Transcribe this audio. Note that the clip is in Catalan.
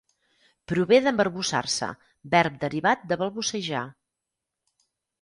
Prové d'embarbussar-se, verb derivat de balbucejar.